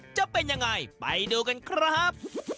จะเป็นยังไงไปดูกันครับ